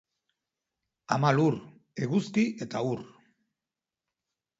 Ama lur, eguzki eta ur.